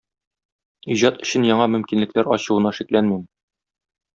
Иҗат өчен яңа мөмкинлекләр ачуына шикләнмим.